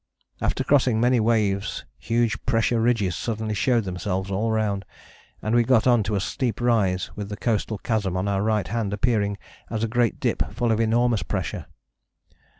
After crossing many waves huge pressure ridges suddenly showed themselves all round, and we got on to a steep rise with the coastal chasm on our right hand appearing as a great dip full of enormous pressure.